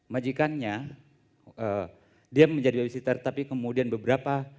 majikannya dia menjadi wasitter tapi kemudian beberapa